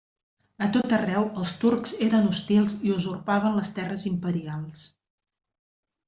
A tot arreu els turcs eren hostils i usurpaven les terres imperials.